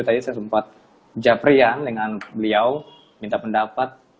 tadi saya sempat japrian dengan beliau minta pendapat